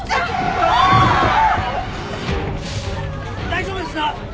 大丈夫ですか！？